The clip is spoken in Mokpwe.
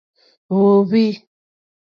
Yǒhwì.